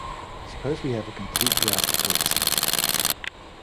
Suppose we have a complete graph on vertices.